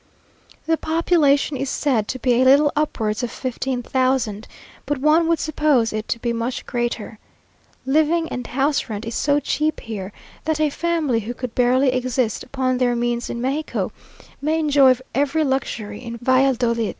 The population is said to be a little upwards of fifteen thousand, but one would suppose it to be much greater. Living and house rent is so cheap here, that a family who could barely exist upon their means in Mexico, may enjoy every luxury in Valladolid.